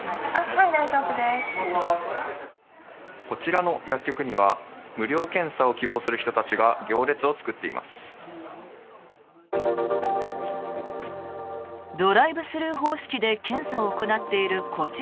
こちらの薬局には無料検査を希望する人たちが行列を作っています。